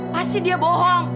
pasti dia bohong